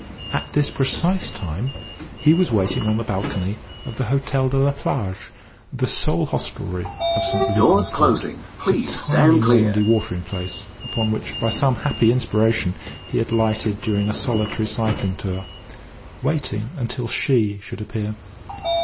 At this precise time he was waiting on the balcony of the Hôtel de la Plage the sole hostelry of St. Luc en Port, the tiny Normandy watering place upon which, by some happy inspiration, he had lighted during a solitary cycling tour waiting until She should appear.